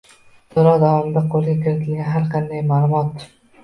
So‘roq davomida qo‘lga kiritilgan har qanday ma’lumot